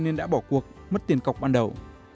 nên đã bỏ cuộc mất tiền cọc ban đầu